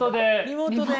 リモート。